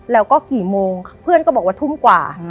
แล้วก็กี่โมงเพื่อนก็บอกว่าทุ่มกว่า